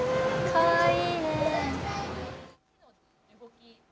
かわいい！